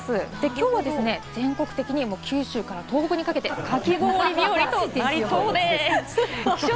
きょうは全国的に九州から東北にかけてかき氷日和となりそうです。